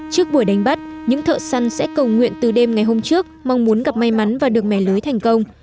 trước buổi đánh bắt những thợ săn sẽ cầu nguyện từ đêm ngày hôm trước mong muốn gặp may mắn và được mẻ lưới thành công